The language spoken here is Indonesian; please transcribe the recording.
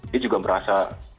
dia juga merasa